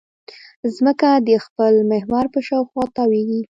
ځمکه د خپل محور په شاوخوا تاوېږي.